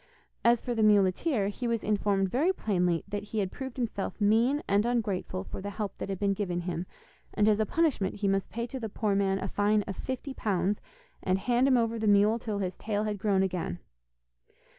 As for the muleteer, he was informed very plainly that he had proved himself mean and ungrateful for the help that had been given him, and as a punishment he must pay to the poor man a fine of fifty pounds, and hand him over the mule till his tail had grown again.